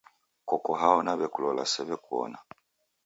Koko hao, naw'akulola siw'ekuw'ona?